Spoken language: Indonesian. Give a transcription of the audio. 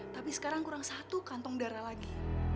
tapi sekarang kurang satu kantong darah lagi